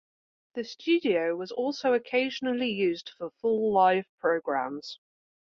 The studio was also occasionally used for full live programmes.